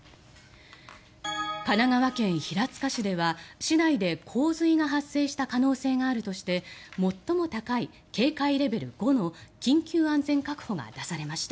神奈川県平塚市では市内で洪水が発生した可能性があるとして最も高い警戒レベル５の緊急安全確保が出されました。